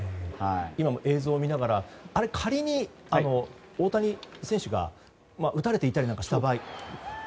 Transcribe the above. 今も、映像を見ながらあれ、仮に大谷選手が打たれていたりした場合は。